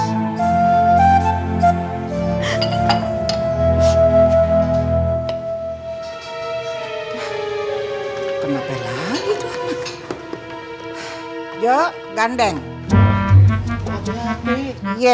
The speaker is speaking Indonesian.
tidak ada apa apa